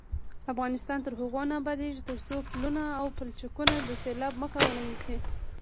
افغانستان تر هغو نه ابادیږي، ترڅو پلونه او پلچکونه د سیلاب مخه ونه نیسي.